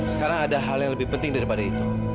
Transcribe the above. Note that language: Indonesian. sekarang ada hal yang lebih penting daripada itu